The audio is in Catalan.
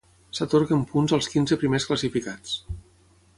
S'atorguen punts als quinze primers classificats.